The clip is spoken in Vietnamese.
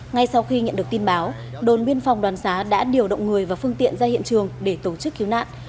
ngay sau khi nhận được tin báo đồn biên phòng đoàn xá đã điều động người và phương tiện ra hiện trường để tổ chức cứu nạn